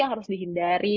yang harus dihindari